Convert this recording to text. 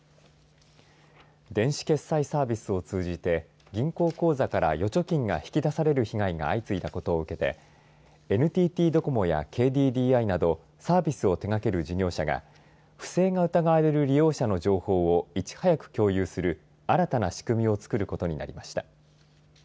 電子決済サービスを通じて銀行口座から預貯金が引き出される被害が相次いだことを受けてＮＴＴドコモやＫＤＤＩなどサービスを手がける事業者が不正が疑われる利用者の情報をいち早く共有する新たな仕組みをつくることになりました。